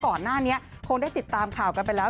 ก่อนหน้านี้คงได้ติดตามข่าวกันไปแล้ว